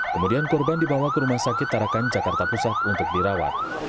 kemudian korban dibawa ke rumah sakit tarakan jakarta pusat untuk dirawat